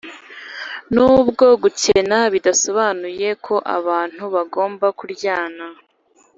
Nubwo gukena bidasobanuye ko abantu bagomba kuryana